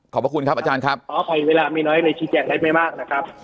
ขอบคุณครับอาจารย์ครับขออภัยเวลามีน้อยเลยชี้แจงได้ไม่มากนะครับ